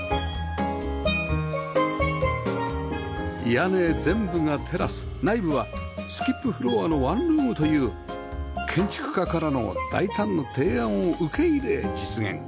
屋根全部がテラス内部はスキップフロアのワンルームという建築家からの大胆な提案を受け入れ実現